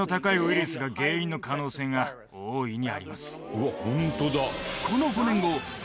うわホントだ。